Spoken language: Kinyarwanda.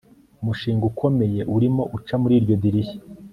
Umushinga ukomeye urimo uca muri iryo dirishya